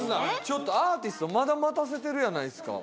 ちょっとアーティストまだ待たせてるやないですか。